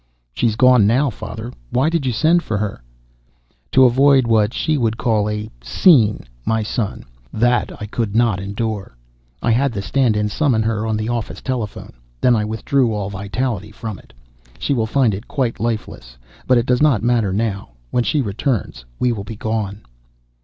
"She's gone now, father. Why did you send for her?" "To avoid what she would call a scene, my son. That I could not endure. I had the stand in summon her on the office telephone, then I withdrew all vitality from it. She will find it quite lifeless. But it does not matter now. When she returns we will be gone."